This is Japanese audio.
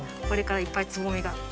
これからいっぱいつぼみが。